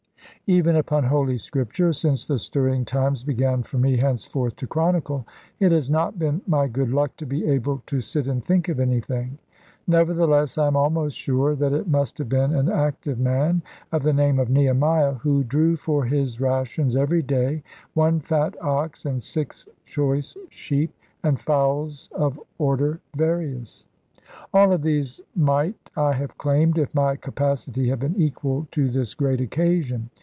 Even upon Holy Scripture (since the stirring times began for me henceforth to chronicle), it has not been my good luck to be able to sit and think of anything. Nevertheless I am almost sure that it must have been an active man of the name of Nehemiah, who drew for his rations every day, one fat ox, and six choice sheep, and fowls of order various. All of these might I have claimed, if my capacity had been equal to this great occasion.